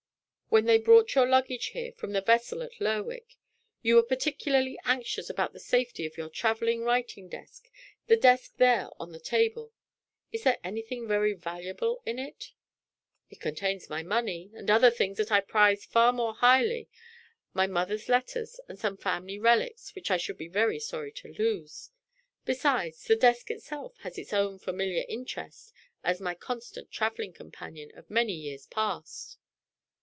When they brought your luggage here from the vessel at Lerwick, you were particularly anxious about the safety of your traveling writing desk the desk there on the table. Is there anything very valuable in it?" "It contains my money, and other things that I prize far more highly my mother's letters, and some family relics which I should be very sorry to lose. Besides, the desk itself has its own familiar interest as my constant traveling companion of many years past."